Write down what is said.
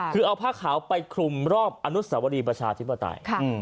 คือเอาผ้าขาวไปคลุมรอบอนุสวรีประชาธิปไตย